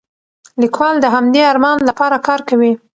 لیکوال د همدې ارمان لپاره کار کوي.